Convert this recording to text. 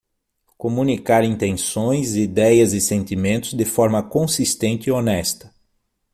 Comunicar intenções, idéias e sentimentos de forma consistente e honesta.